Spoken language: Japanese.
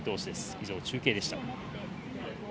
以上、中継でした。